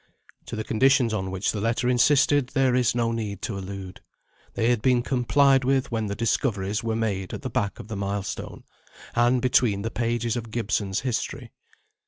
To the conditions on which the letter insisted there is no need to allude. They had been complied with when the discoveries were made at the back of the milestone, and between the pages of Gibson's history.